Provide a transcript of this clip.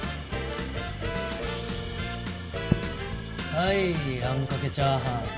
はいあんかけチャーハン。